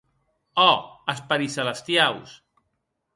Ò, esperits celestiaus!